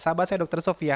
sahabat saya dokter sofia